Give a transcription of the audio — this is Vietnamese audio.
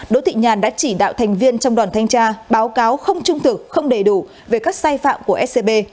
đỗ thị nhàn đã chỉ đạo thành viên trong đoàn thanh tra báo cáo không trung thực không đầy đủ về các sai phạm của scb